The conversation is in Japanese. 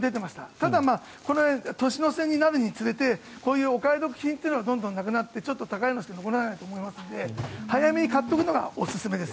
ただ、年の瀬になるにつれてこういうお買い得品っていうのがどんどんなくなってちょっと高いのしか残らなくなると思いますので早めに買っておくのがおすすめです。